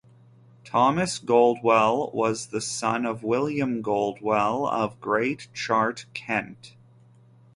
Thomas Goldwell was the son of William Goldwell of Great Chart, Kent.